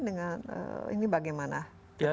dengan ini bagaimana